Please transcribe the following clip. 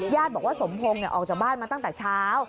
บอกว่าสมพงศ์ออกจากบ้านมาตั้งแต่เช้า